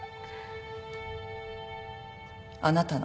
あなたの。